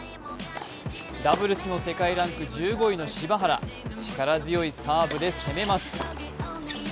ダブルスの世界ランク１５位の柴原、力強いサーブで攻めます。